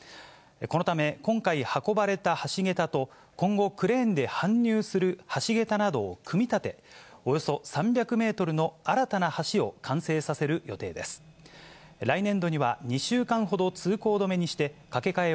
このため今回、運ばれた橋桁と、今後クレーンで搬入する橋桁などを組み立て、およそ３００メート沖縄県が本土に復帰して、あすで５０年。